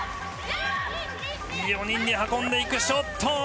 ４人で運んでいくショット